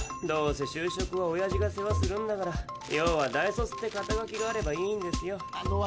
どうせ就職はおやじが世話するんだから要は大卒ってかた書きがあればいいんですよ。